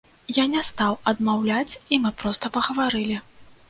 Я не стаў адмаўляць, і мы проста пагаварылі.